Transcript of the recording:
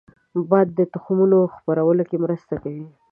باد د تخمونو خپرولو کې مرسته کوي